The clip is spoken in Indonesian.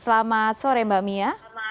selamat sore mbak mia